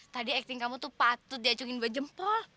tadi acting kamu tuh patut diacungin dua jempol